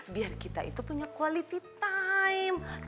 biar kita itu punya quality time